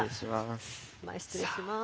失礼します。